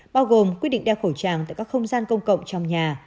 bao gồm quyết định đeo khẩu trang tại các không gian công cộng trong nhà